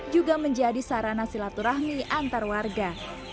juga menjadi sarana silaturahmi antar warga